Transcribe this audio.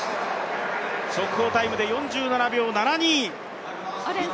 速報タイムで４７秒７２。